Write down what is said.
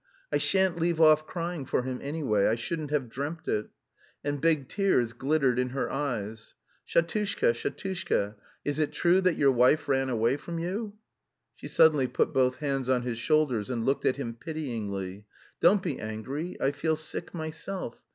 I shan't leave off crying for him anyway, I couldn't have dreamt it." And big tears glittered in her eyes. "Shatushka, Shatushka, is it true that your wife ran away from you?" She suddenly put both hands on his shoulders, and looked at him pityingly. "Don't be angry, I feel sick myself.